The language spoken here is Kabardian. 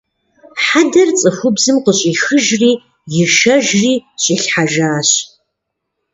Хьэдэр цӀыхубзым къыщӀихыжри ишэжри щӀилъхьэжащ.